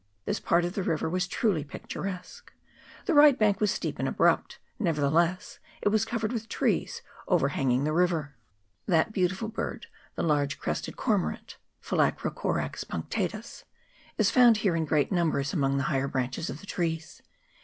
This part of the river was truly pic turesque. The right bank was steep and abrupt, nevertheless it was covered with trees overhanging the river. That beautiful bird the large crested cormorant 1 is found here in great numbers among the higher branches of the trees.